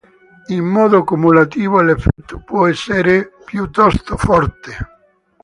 In modo cumulativo l'effetto può essere piuttosto forte.